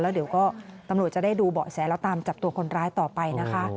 เดี๋ยวก็ตำรวจจะได้ดูเบาะแสแล้วตามจับตัวคนร้ายต่อไปนะคะ